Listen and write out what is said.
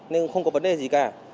nên không có vấn đề gì cả